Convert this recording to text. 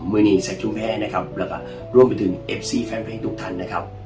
เมื่อนี้แซคชุมแพ้และก็รวมไปถึงเอฟซีแฟนเพลงทุกท่านนะครับ